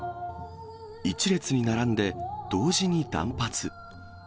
一列に並んで、同時に断髪。